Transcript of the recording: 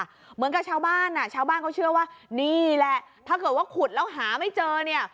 เหมือนกับชาวบ้านอ่ะชาวบ้านชาวบ้านเขาเชื่อว่านี่แหละถ้าเกิดว่าขุดแล้วหาไม่เจอเนี่ย